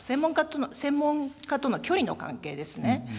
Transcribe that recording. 専門家との距離の関係ですね。